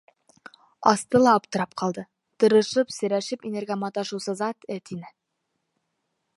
Асты ла аптырап ҡалды: тырышып-серәшеп инергә маташыусы зат эт ине.